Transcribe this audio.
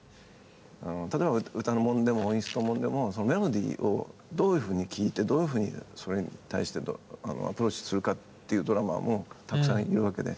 例えば歌のもんでもインストもんでもメロディーをどういうふうに聴いてどういうふうにそれに対してアプローチするかっていうドラマーもたくさんいるわけで。